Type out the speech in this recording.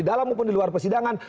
di dalam pun di luar persidangan